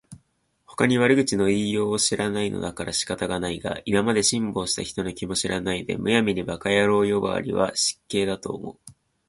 ほかに悪口の言いようを知らないのだから仕方がないが、今まで辛抱した人の気も知らないで、無闇に馬鹿野郎呼ばわりは失敬だと思う